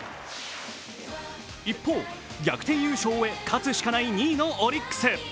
一方、逆転優勝へ勝つしかない２位のオリックス。